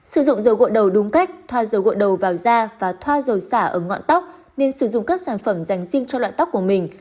sử dụng dầu gội đầu đúng cách thoa dầu gội đầu vào da và thoa dầu xả ở ngọn tóc nên sử dụng các sản phẩm dành riêng cho loại tóc của mình